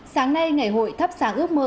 sáng nay ngày hội thắp sáng ước mơ